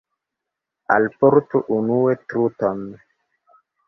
Alportu unue truton.